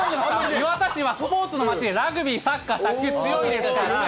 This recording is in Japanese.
磐田市はスポーツの町で、ラグビー、サッカー、卓球、強いですから。